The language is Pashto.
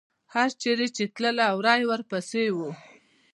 هر چېرې چې تله، وری ورپسې و.